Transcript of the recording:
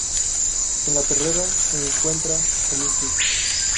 En la perrera encuentra a Lucky.